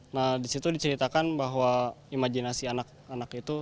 nah di situ diceritakan bahwa imajinasi anak anak itu